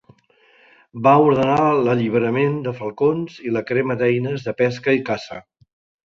Va ordenar l'alliberament de falcons i la crema d'eines de pesca i caça.